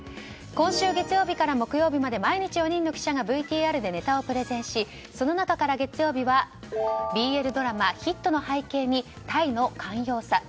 今週月曜日から木曜日まで毎日４人の記者がＶＴＲでネタをプレゼンしその中から月曜日はＢＬドラマヒットの背景にタイの寛容さ。